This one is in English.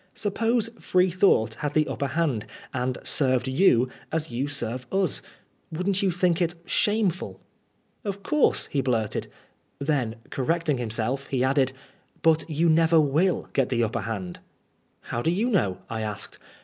Suppose Freethought had the upper hand, and served you as you serve us : wouldn't you think it shameful ?*'" Of course," he blurted. Then, correcting himself, he added :" But you never will get the upper hand." " How do you know ?" I asked.